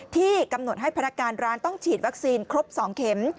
ที่กำหนดให้พนักการร้านต้องฉีดวัคซีนครบ๒เข็ม